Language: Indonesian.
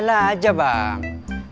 salah aja bang